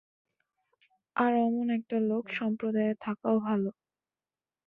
আর অমন একটা লোক সম্প্রদায়ে থাকাও ভাল।